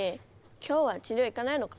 今日は治療行かないのか？